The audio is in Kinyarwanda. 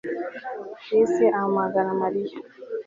Chris ahamagara Mariya